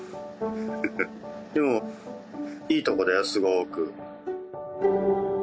フフフでもいいとこだよすごく。